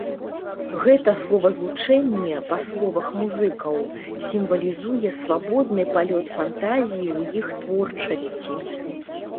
Гэта словазлучэнне, па словах музыкаў, сімвалізуе свабодны палёт фантазіі ў іх творчасці.